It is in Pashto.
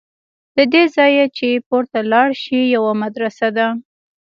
له دې ځایه چې پورته لاړ شې یوه مدرسه ده.